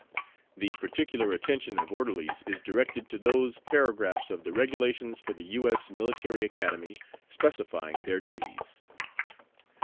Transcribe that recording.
The particular attention of Orderlies is directed to those paragraphs of the Regulations for the U. S. Military Academy specifying their duties.